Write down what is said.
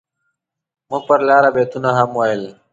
موږ پر لاره بيتونه هم ويل.